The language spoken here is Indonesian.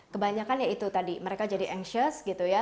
kebanyakan ya itu tadi mereka jadi anchors gitu ya